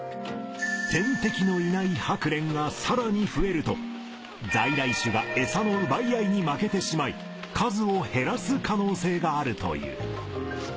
天敵のいないハクレンがさらに増えると在来種が餌の奪い合いに負けてしまい数を減らす可能性があるという。